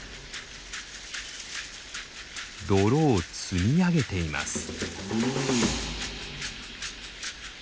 泥を積み上げています。